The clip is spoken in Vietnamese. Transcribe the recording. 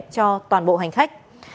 cho toàn bộ hành khách